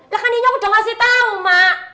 lah kan ini gua udah ngasih tau mak